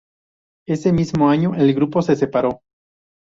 Ese mismo año el grupo se separó.